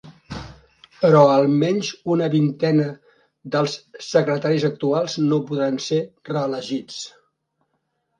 Però almenys una vintena dels secretaris actuals no podran ser reelegits.